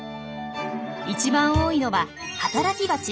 一番多いのは働きバチ。